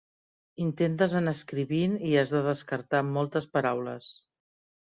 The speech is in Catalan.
Intentes anar escrivint i has de descartar moltes paraules.